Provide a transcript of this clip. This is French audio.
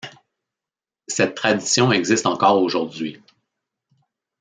Cette tradition existe encore aujourd'hui.